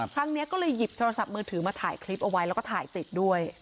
ครั้งนี้ก็เลยหยิบโทรศัพท์มือถือมาถ่ายคลิปเอาไว้แล้วก็ถ่ายติดด้วย